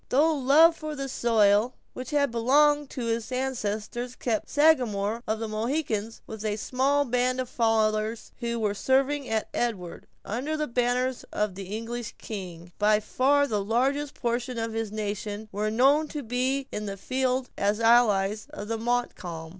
Though love for the soil which had belonged to his ancestors kept the Sagamore of the Mohicans with a small band of followers who were serving at Edward, under the banners of the English king, by far the largest portion of his nation were known to be in the field as allies of Montcalm.